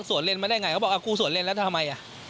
ส่วนเลนมาได้ไงเขาบอกกูสวนเล่นแล้วทำไม